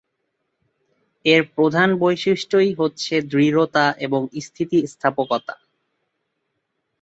এর প্রধান বৈশিষ্ট্যই হচ্ছে দৃঢ়তা এবং স্থিতিস্থাপকতা।